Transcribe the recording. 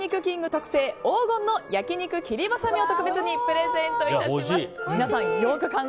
特製黄金の焼肉切りバサミを特別にプレゼントいたします。